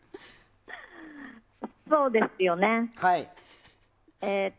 そうですよね。